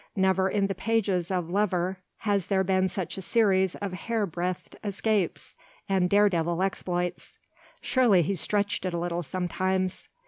Never in the pages of Lever has there been such a series of hairbreadth escapes and dare devil exploits. Surely he stretched it a little sometimes.